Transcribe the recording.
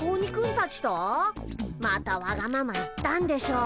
またわがまま言ったんでしょ。